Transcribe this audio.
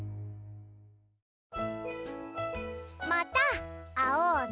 また会おうね。